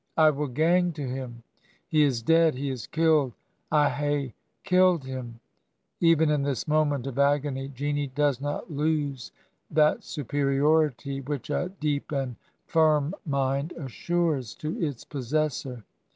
I tmll gang to him! He is dead — he is kill^ — I hae killed him I' Even in this moment of agony Jeanie did not lose that superiority which a deep and firm mind assures to its possessor.